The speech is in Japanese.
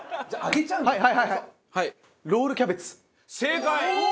正解！